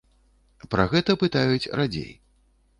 Пра гэта пытаюць радзей.